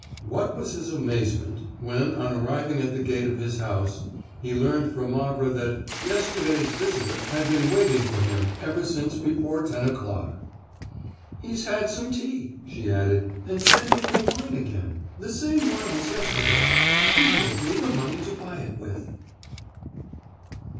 What was his amazement, when, on arriving at the gate of his house, he learned from Mavra that "yesterday's visitor" had been waiting for him ever since before ten o'clock. "He's had some tea," she added, "and sent me for wine again—the same wine as yesterday. He gave me the money to buy it with."